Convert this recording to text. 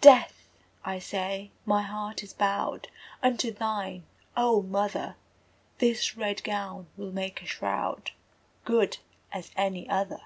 Death, I say, my heart is bowed Unto thine, O mother! This red gown will make a shroud Good as any other!